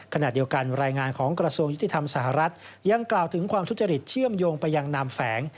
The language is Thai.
ขณะเดียวกันรายงานของกระทรวงยุติธรรมสหรัฐยังกล่าวถึงความทุจริตเชื่อมโยงไปยังนามแฝง